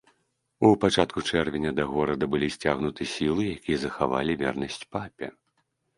У пачатку чэрвеня да горада былі сцягнуты сілы, якія захавалі вернасць папе.